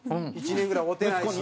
１年ぐらい会うてないし。